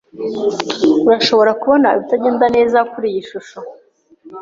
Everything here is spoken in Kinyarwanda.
Urashobora kubona ibitagenda neza kuriyi shusho?